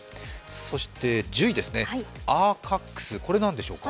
そして１０位ですね、アーカックスこれは何でしょうか？